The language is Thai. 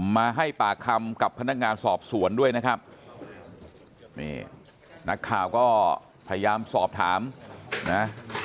มาให้ปากคำกับพนักงานสอบสวนด้วยนะครับนี่นักข่าวก็พยายามสอบถามนะ